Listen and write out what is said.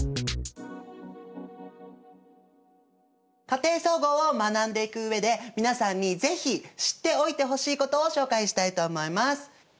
「家庭総合」を学んでいく上で皆さんにぜひ知っておいてほしいことを紹介したいと思います。